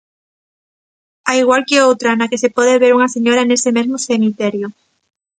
Ao igual que outra, na que se pode ver unha señora nese mesmo cemiterio.